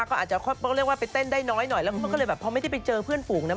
แต่เขาก็เรียกว่าไปเต้นได้น้อยแล้วก็เลยแบบพอไม่ได้ไปเจอเพื่อนฝูงนั้น